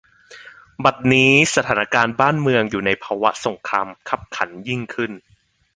บัดนี้ สถานะการณ์บ้านเมืองอยู่ในภาวะสงครามคับขันยิ่งขึ้น